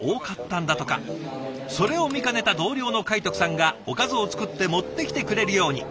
それを見かねた同僚の海徳さんがおかずを作って持ってきてくれるように。